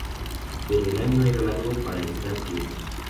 Pero el año era largo para estar quietos.